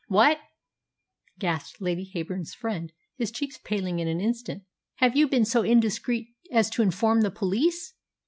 "What," gasped Lady Heyburn's friend, his cheeks paling in an instant, "have you been so indiscreet as to inform the police?"